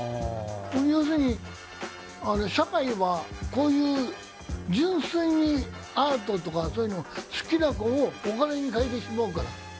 要するに社会はこういう純粋にアートとかそういうのを好きなのをお金に変えてしまうから。